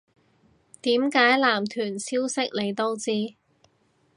點解男團消息你都知